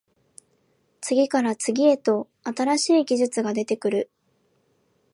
次から次へと新しい技術が出てくる